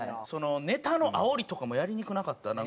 そのネタのあおりとかもやりにくなかった？